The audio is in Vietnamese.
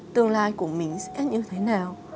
tương lai của mình sẽ như thế nào